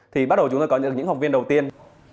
thì bắt đầu chúng tôi có những học viên đầu tiên